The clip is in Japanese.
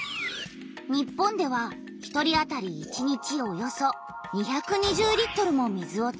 日本では１人あたり１日およそ２２０リットルも水を使っている。